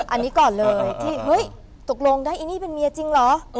อันนี้ก่อนเลยที่เฮ้ยตกลงได้ไอ้นี่เป็นเมียจริงเหรอ